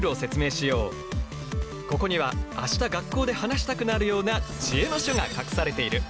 ここには明日学校で話したくなるような知恵の書が隠されている。